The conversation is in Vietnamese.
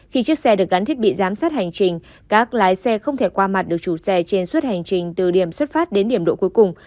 khi chiếc xe được gắn thiết bị giám sát hành trình các lái xe không thể qua mặt được chủ xe trên suốt hành trình từ điểm xuất phát đến điểm độ cuối cùng